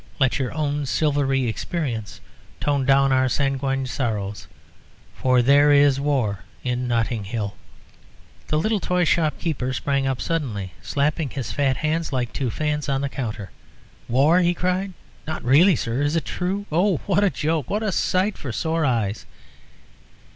Let your own silvery experience tone down our sanguine sorrows. For there is war in Notting Hill." The little toy shop keeper sprang up suddenly, slapping his fat hands like two fans on the counter. "War?" he cried. "Not really, sir? Is it true? Oh, what a joke! Oh, what a sight for sore eyes!"